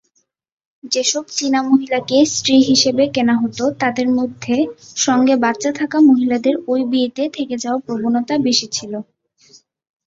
যেসব চিনা মহিলাকে স্ত্রী হিসেবে কেনা হোত, তাদের মধ্যে সঙ্গে বাচ্চা থাকা মহিলাদের ওই বিয়েতে থেকে যাওয়ার প্রবণতা বেশি ছিল।